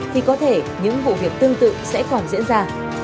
thì có thể những vụ việc tương tự sẽ còn diễn ra